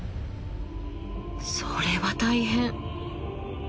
それは大変。